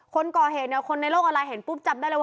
คนก่อเหตุคนในโลกอะไรเห็นปุ๊บจับได้เลยว่า